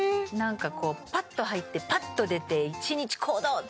なんかこうパッと入ってパッと出て一日行動！